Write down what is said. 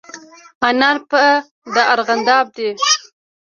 انار په د ارغانداب دي